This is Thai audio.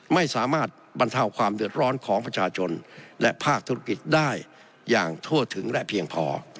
ไม่สามารถบรรเทาความเดือดร้อนของประชาชนและภาคธุรกิจได้อย่างทั่วถึงและเพียงพอ